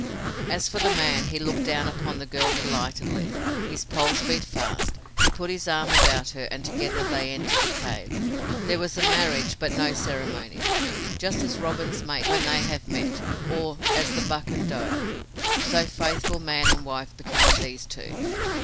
As for the man, he looked down upon the girl delightedly. His pulse beat fast. He put his arm about her and together they entered the cave. There was a marriage but no ceremony. Just as robins mate when they have met or as the buck and doe, so faithful man and wife became these two.